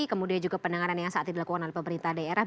kemudian juga penanganan yang saat ini dilakukan oleh pemerintah daerah